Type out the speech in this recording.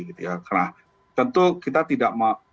karena tentu kita tidak mau